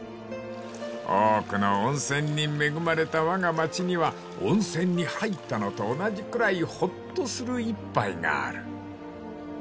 ［多くの温泉に恵まれたわが町には温泉に入ったのと同じくらいほっとする一杯がある］